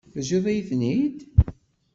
Teǧǧiḍ-iyi-ten-id.